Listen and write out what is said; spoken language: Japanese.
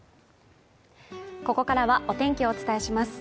ここからはお天気をお伝えします